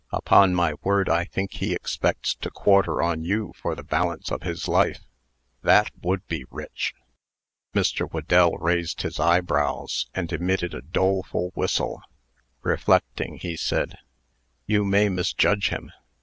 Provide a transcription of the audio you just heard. Upon my word, I think he expects to quarter on you for the balance of his life. That would be rich!" Mr. Whedell raised his eyebrows, and emitted a doleful whistle. Reflecting, he said: "You may misjudge him.